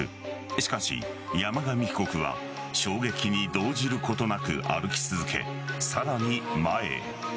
しかし、山上被告は衝撃に動じることなく歩き続けさらに前へ。